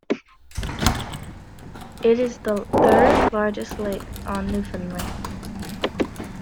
It is the third-largest lake on Newfoundland.